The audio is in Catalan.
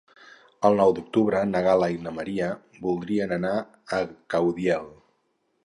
El nou d'octubre na Gal·la i na Maria voldrien anar a Caudiel.